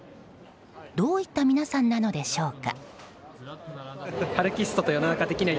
どういった皆さんなのでしょうか。